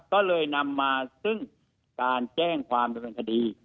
ก็เลยนำมาการแจ้งความบินฆดี